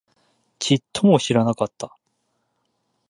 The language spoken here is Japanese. ちっとも知らなかった